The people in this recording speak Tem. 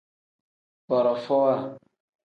Borofowa.